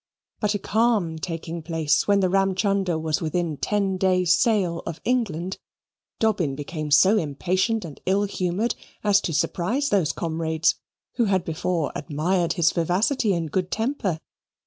But a calm taking place when the Ramchunder was within ten days' sail of England, Dobbin became so impatient and ill humoured as to surprise those comrades who had before admired his vivacity and good temper.